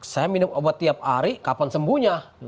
saya minum obat tiap hari kapan sembuhnya